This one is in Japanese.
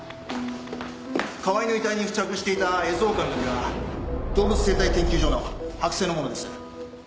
川井の遺体に付着していたエゾオオカミの毛は動物生態研究所の剥製のものです。